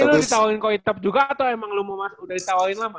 tapi lu ditawarin kok top juga atau emang lu mau masuk udah ditawarin lama